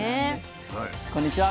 こんにちは。